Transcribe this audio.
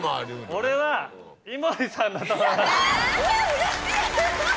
俺は井森さんだと思います。